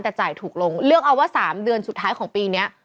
แต่จ่ายถูกลงเลือกเอาว่า๓เดือนสุดท้ายของปีนี้